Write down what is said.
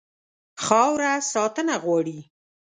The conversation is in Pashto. خاوره ساتنه غواړي.